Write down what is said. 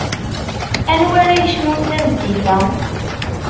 Anwa ara yecnun tameddit-a?